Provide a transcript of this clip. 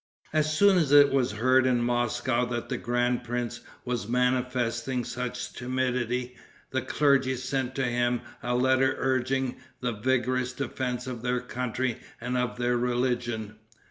As soon as it was heard in Moscow that the grand prince was manifesting such timidity, the clergy sent to him a letter urging the vigorous defense of their country and of their religion.